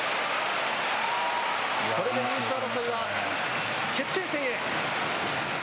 これで優勝争いは決定戦へ。